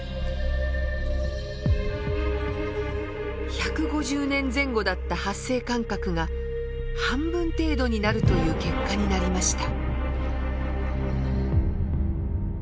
１５０年前後だった発生間隔が半分程度になるという結果になりました。